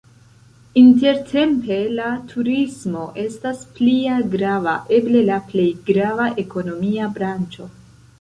Intertempe la turismo estas plia grava, eble la plej grava, ekonomia branĉo.